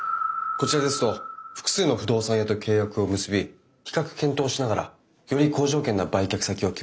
こちらですと複数の不動産屋と契約を結び比較検討しながらより好条件な売却先を決めることができるので。